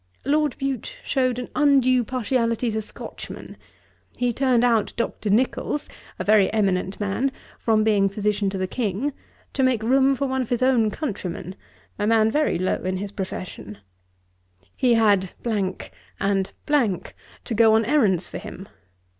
Lord Bute shewed an undue partiality to Scotchmen. He turned out Dr. Nichols, a very eminent man, from being physician to the King, to make room for one of his countrymen, a man very low in his profession. He had and to go on errands for him.